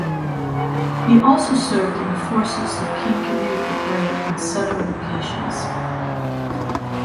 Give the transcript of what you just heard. He also served in the forces of King Canute the Great on several occasions.